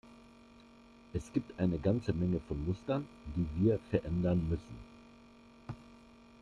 Es gibt eine ganze Menge von Mustern, die wir verändern müssen.